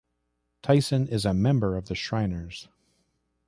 Tyson is a member of the Shriners.